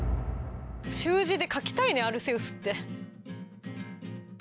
習字で書きたいねアルセウスって。